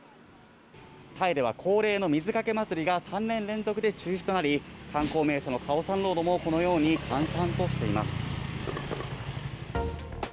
タイでは恒例の水かけ祭りが３年連続で中止となり、観光名所のカオサンロードもこのように閑散としています。